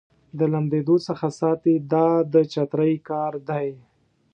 د لمدېدو څخه ساتي دا د چترۍ کار دی.